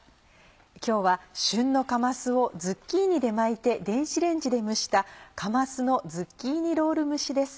今日は旬のかますをズッキーニで巻いて電子レンジで蒸した「かますのズッキーニロール蒸し」です。